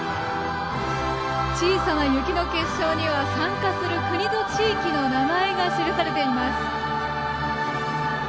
小さな雪の結晶には参加する国と地域の名前が記されています。